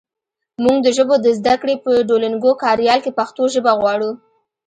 مونږ د ژبو د زده کړې په ډولونګو کاریال کې پښتو ژبه غواړو